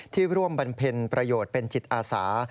ร่วมบำเพ็ญประโยชน์เป็นจิตอาสา